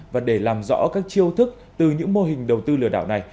và để làm rõ các chiêu thức từ những mô hình đầu tư lừa đảo này